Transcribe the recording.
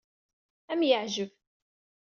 Ad am-yeɛjeb.